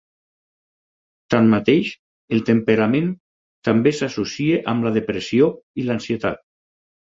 Tanmateix, el temperament també s’associa amb la depressió i l’ansietat.